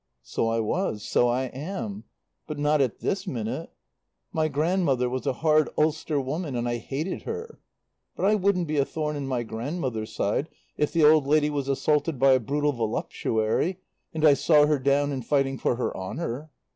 "So I was. So I am. But not at this minute. My grandmother was a hard Ulster woman and I hated her. But I wouldn't be a thorn in my grandmother's side if the old lady was assaulted by a brutal voluptuary, and I saw her down and fighting for her honour.